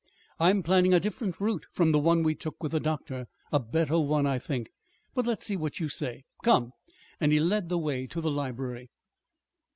I'm planning a different route from the one we took with the doctor a better one, I think. But let's see what you say. Come!" And he led the way to the library.